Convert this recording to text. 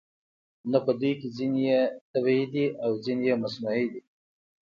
نه په دوی کې ځینې یې طبیعي دي او ځینې یې مصنوعي دي